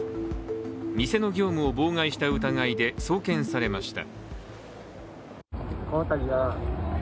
店の業務を妨害した疑いで、送検されました。